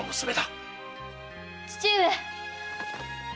父上！